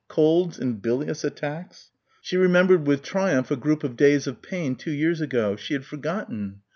Colds and bilious attacks.... She remembered with triumph a group of days of pain two years ago. She had forgotten....